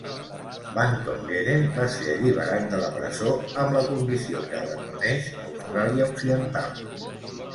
Van Tongeren va ser alliberat de la presó amb la condició que abandonés Austràlia Occidental.